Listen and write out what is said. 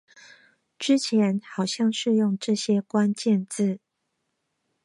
之前好像是用這些關鍵字